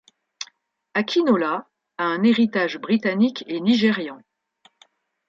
Akinola a un héritage britannique et nigérian.